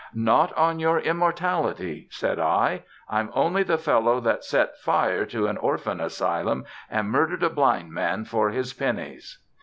"'Not on your immortality,' said I. 'I'm only the fellow that set fire to an orphan asylum and murdered a blind man for his pennies.'"